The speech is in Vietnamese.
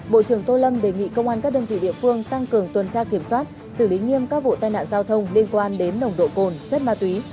bộ trưởng tô lâm đề nghị công an các đơn vị địa phương tăng cường tuần tra kiểm soát xử lý nghiêm các vụ tai nạn giao thông liên quan đến nồng độ cồn chất ma túy